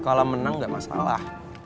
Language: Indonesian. kalah menang gak masalah